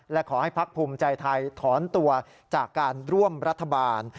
และขอให้พักภูมิใจไทยถอนตัวจากการร่วมรัฐบาล